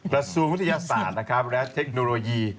ประทรวงวิทยาศาสตร์และเทคโนโลยี